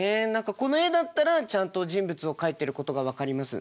この絵だったらちゃんと人物を描いてることが分かります。